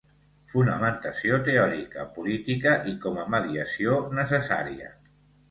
Fonamentació teòrica, política i com a mediació necessària.